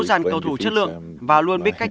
dàn cầu thủ chất lượng và luôn biết cách